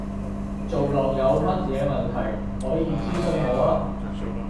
做落有乜嘢問題，可以諮詢我啊